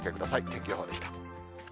天気予報でした。